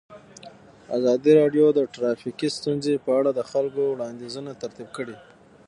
ازادي راډیو د ټرافیکي ستونزې په اړه د خلکو وړاندیزونه ترتیب کړي.